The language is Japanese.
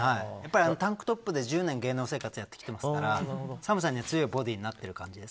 タンクトップで１０年芸能生活やってきてますから寒さには強いボディーになってる感じです。